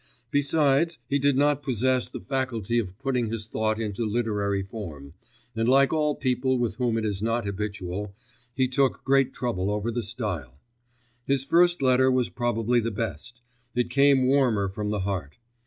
Besides he did not possess the faculty of putting his thought into literary form, and like all people with whom it is not habitual, he took great trouble over the style. His first letter was probably the best; it came warmer from the heart.